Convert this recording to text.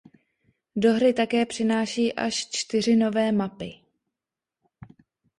Do hry také přináší až čtyři nové mapy.